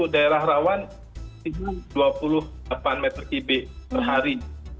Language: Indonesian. daerah rawan itu dua puluh delapan meter kubik per hari